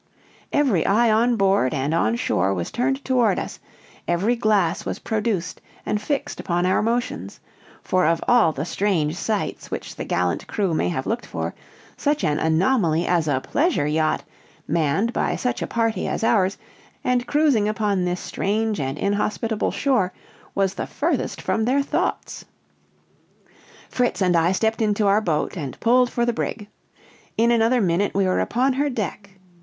Every eye on board and on shore was turned toward us, every glass was produced and fixed upon our motions; for of all the strange sights which the gallant crew may have looked for, such an anomaly as a pleasure yacht, manned by such a party as ours, and cruising upon this strange and inhospitable shore, was the furthest from their thoughts. Fritz and I stepped into our boat and pulled for the brig. In another minute we were upon her deck.